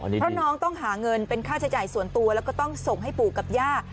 เพราะน้องต้องหาเงินเป็นค่าใช้จ่ายส่วนตัวแล้วก็ต้องส่งให้ปู่กับย่า